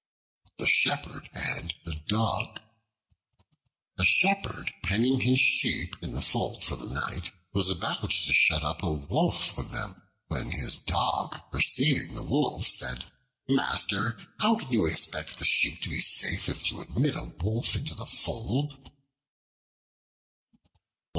The Shepherd and the Dog A SHEPHERD penning his sheep in the fold for the night was about to shut up a wolf with them, when his Dog perceiving the wolf said, "Master, how can you expect the sheep to be safe if you admit a wolf into the fold?"